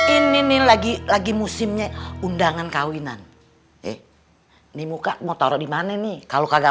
ini nih lagi lagi musimnya undangan kawinan nih muka mau taruh di mana nih kalau kagak